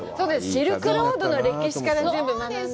シルクロードの歴史から学んで。